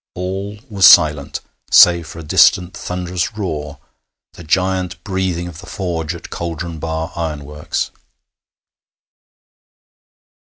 All was silent, save for a distant thunderous roar, the giant breathing of the forge at Cauldon Bar Ironworks.